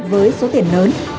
với số tiền lớn